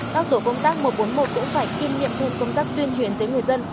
các tổ công tác một trăm bốn mươi một cũng phải kiên nghiệm thêm công tác tuyên truyền tới người dân